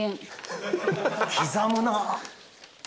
刻むなぁ。